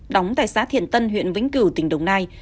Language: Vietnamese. đóng tại xã thiện tân huyện vĩnh cửu tỉnh đồng nai